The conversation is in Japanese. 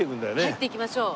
入っていきましょう。